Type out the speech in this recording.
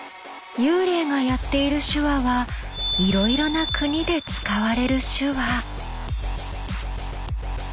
幽霊がやっている手話はいろいろな国で使われる手話。